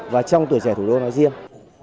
và trong tuổi trẻ thủ đô nói riêng